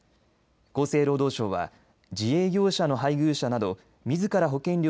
厚生労働省は自営業者の配偶者などみずから